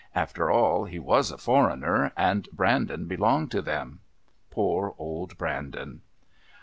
After all, he was a foreigner, and Brandon belonged to them. Poor old Brandon!